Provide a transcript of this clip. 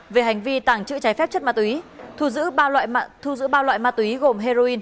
về hành vi tàng trữ trái phép chất mát túy thu giữ ba loại mát túy gồm heroin